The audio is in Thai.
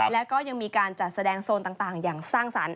แล้วก็ยังมีการจัดแสดงโซนต่างอย่างสร้างสรรค